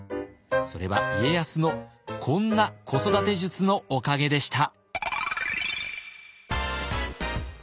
それは家康のこんな子育て術のおかげでした。